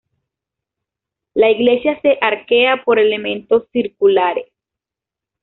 La iglesia se arquea por elementos circulares.